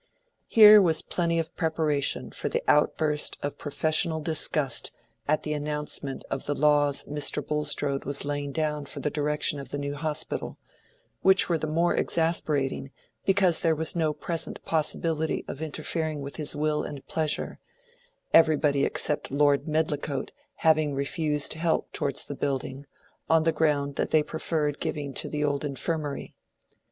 Here was plenty of preparation for the outburst of professional disgust at the announcement of the laws Mr. Bulstrode was laying down for the direction of the New Hospital, which were the more exasperating because there was no present possibility of interfering with his will and pleasure, everybody except Lord Medlicote having refused help towards the building, on the ground that they preferred giving to the Old Infirmary.